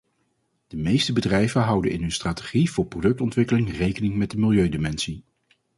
De meeste bedrijven houden in hun strategie voor productontwikkeling rekening met de milieudimensie.